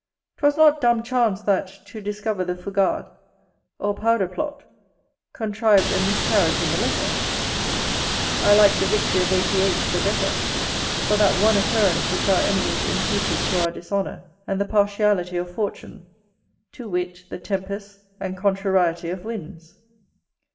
'Twas not dumb chance that, to discover the fougade, or powder plot, contrived a miscarriage in the letter. I like the victory of '88 the better for that one occurrence which our enemies imputed to our dishonour, and the partiality of fortune; to wit, the tempests and contrariety of winds.